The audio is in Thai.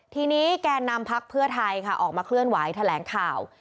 ทีนี้แกนนำพักเพื่อไทยค่ะออกมาเคลื่อนไหวแถลงข่าว